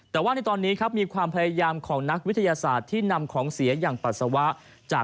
แต่ว่าในตอนนี้ครับมีความพยายามของนักวิทยาศาสตร์ที่นำของเสียอย่างปัสสาวะ